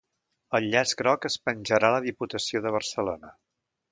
El llaç groc es penjarà a la Diputació de Barcelona